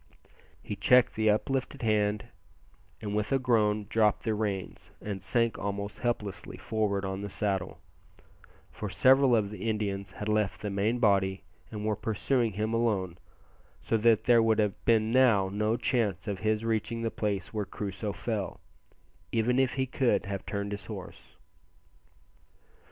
He checked the uplifted hand, and with, a groan dropped the reins, and sank almost helplessly forward on the saddle; for several of the Indians had left the main body and were pursuing him alone, so that there would have been now no chance of his reaching the place where Crusoe fell, even if he could have turned his horse.